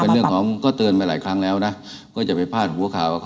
เป็นเรื่องก็เตือนมาหลายครั้งแล้วนะก็จะไปพลาดหัวข้าว